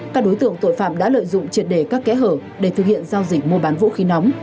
các đối tượng tội phạm đã lợi dụng triệt đề các kẽ hở để thực hiện giao dịch mua bán vũ khí nóng